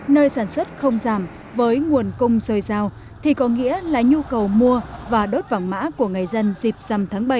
nơi sản xuất không giảm với nguồn cung rơi rào thì có nghĩa là nhu cầu mua và đốt vàng mã của người dân dịp dầm tháng bảy